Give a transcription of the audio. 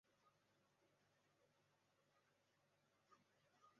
纽厄尔是一个位于美国阿拉巴马州兰道夫县的非建制地区。